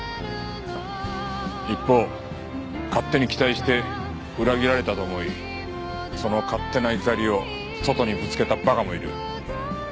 一方勝手に期待して裏切られたと思いその勝手な怒りを外にぶつけたバカもいる。